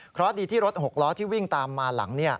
เพราะดีที่รถ๖ล้อที่วิ่งตามมาหลัง